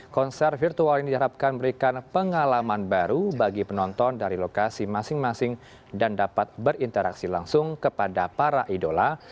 konser virtual ini diharapkan memberikan pengalaman baru bagi penonton dari lokasi masing masing dan dapat berinteraksi langsung kepada para idola